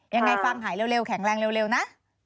ยังไงฟังหายเร็วแข็งแรงเร็วนะ